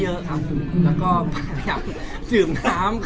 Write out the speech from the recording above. พยายามดื่มน้ำ